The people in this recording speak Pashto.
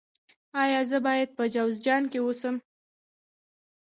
ایا زه باید په جوزجان کې اوسم؟